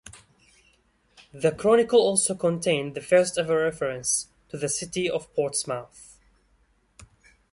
The chronicle also contained the first ever reference to the city of Portsmouth.